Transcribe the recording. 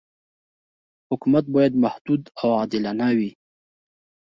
حکومت باید محدود او عادلانه وي.